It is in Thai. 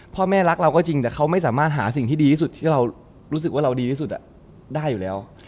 พ่อแม่รักเราก็จริงแต่เขาไม่สามารถหาสิ่งที่ดีที่สุดที่เรารู้สึกว่าเราดีที่สุดได้อยู่แล้ว